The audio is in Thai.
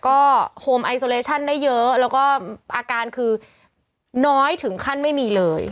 ก็โฮมไอโซเลชั่นได้เยอะแล้วก็อาการคือน้อยถึงขั้นไม่มีเลย